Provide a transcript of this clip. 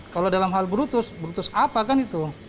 kalau dalam hal brutus brutus apa kan itu